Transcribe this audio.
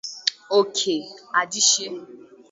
Okey Adichie